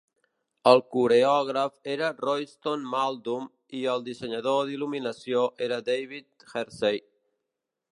El coreògraf era Royston Maldoom i el dissenyador d'il·luminació era David Hersey.